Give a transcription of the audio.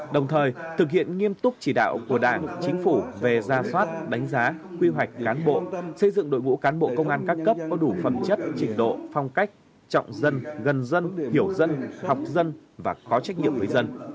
đồng thời thực hiện nghiêm túc chỉ đạo của đảng chính phủ về ra soát đánh giá quy hoạch cán bộ xây dựng đội ngũ cán bộ công an các cấp có đủ phẩm chất trình độ phong cách trọng dân gần dân hiểu dân học dân và có trách nhiệm với dân